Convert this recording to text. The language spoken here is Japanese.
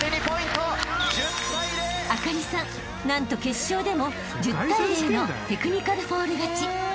［朱理さん何と決勝でも１０対０のテクニカルフォール勝ち］